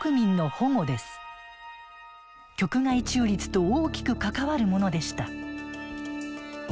局外中立と大きく関わるものでした。